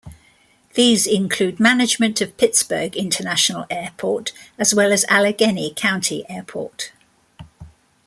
These include management of Pittsburgh International Airport as well as Allegheny County Airport.